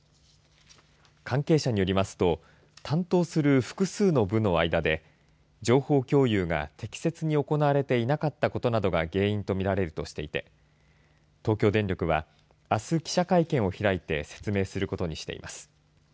関係者によりますと担当する複数の部の間で情報共有が適切に行われていなかったことなどが原因と見られるとしていて東京電力はあす記者会見を開いて説明することにしています。